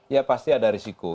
ya pasti ada resiko